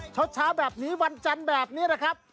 เช้าแบบนี้วันจันทร์แบบนี้นะครับ